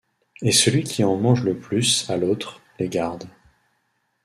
Et celui qui en mange le plus à l’autre, les garde.